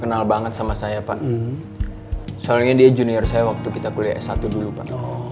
kenal banget sama saya pak soalnya dia junior saya waktu kita kuliah s satu dulu pak